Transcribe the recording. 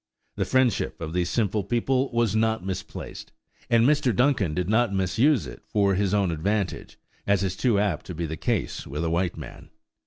The friendship of these simple people was not misplaced, and Mr. Duncan did not misuse it for his own advantage, as is too apt to be the case with a white man.